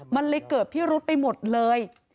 มันเลยเกิดพิรุษไปหมดเลย